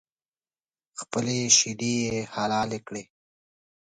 خپلې شیدې یې حلالې کړې